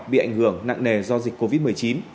bị ảnh hưởng nặng nề do dịch covid một mươi chín